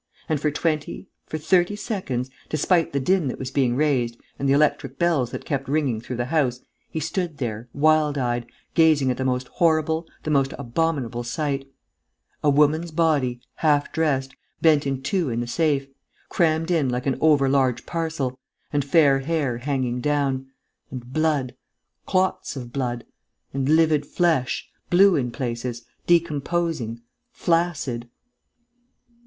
And, for twenty, for thirty seconds, despite the din that was being raised and the electric bells that kept ringing through the house, he stood there, wild eyed, gazing at the most horrible, the most abominable sight: a woman's body, half dressed, bent in two in the safe, crammed in, like an over large parcel ... and fair hair hanging down ... and blood ... clots of blood ... and livid flesh, blue in places, decomposing, flaccid.